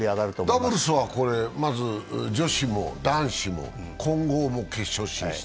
ダブルスは女子も男子も混合も決勝進出。